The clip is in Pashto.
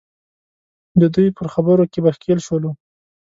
د دوی پر خبرو کې به ښکېل شولو.